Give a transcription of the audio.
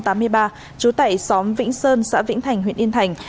trú tại xóm vĩnh sơn xã vĩnh thành huyện yên thành